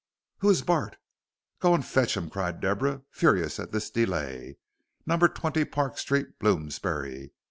"Who is Bart?" "Go and fetch him," cried Deborah, furious at this delay; "number twenty Park Street, Bloomsbury.